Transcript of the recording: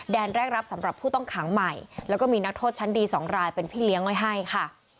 แรกรับสำหรับผู้ต้องขังใหม่แล้วก็มีนักโทษชั้นดี๒รายเป็นพี่เลี้ยงไว้ให้ค่ะ